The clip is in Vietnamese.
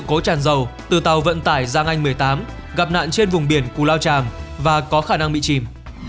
cố tràn dầu từ tàu vận tải giang anh một mươi tám gặp nạn trên vùng biển cù lao tràm và có khả năng bị chìm